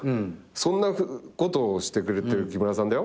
そんなことをしてくれてる木村さんだよ。